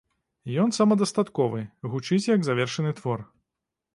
Ён самадастатковы, гучыць як завершаны твор.